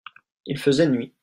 Il faisait nuit.